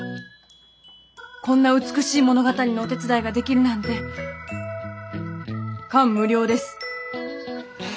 こんな美しい物語のお手伝いができるなんて感無量です。